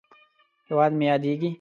هېواد مې یادیږې!